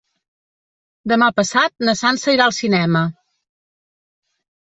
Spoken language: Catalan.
Demà passat na Sança irà al cinema.